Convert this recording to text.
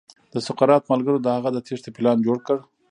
د سقراط ملګرو د هغه د تېښې پلان جوړ کړ.